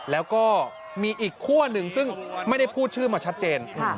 แล้วก็มีอีกคั่วหนึ่งซึ่งไม่ได้พูดชื่อมาชัดเจน